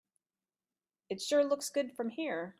It sure looks good from here.